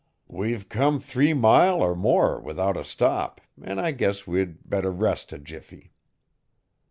'We've come three mile er more without a stop an' I guess we'd better rest a jiffy.'